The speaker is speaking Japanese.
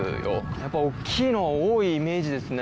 やっぱ大っきいの多いイメージですね。